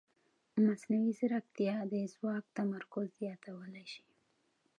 مصنوعي ځیرکتیا د ځواک تمرکز زیاتولی شي.